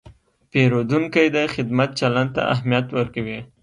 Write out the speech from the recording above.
پیرودونکی د خدمت چلند ته اهمیت ورکوي.